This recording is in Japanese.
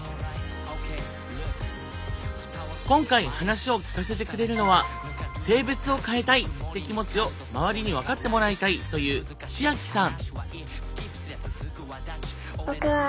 今回話を聞かせてくれるのは性別を変えたいって気持ちを周りに分かってもらいたいというチアキさん。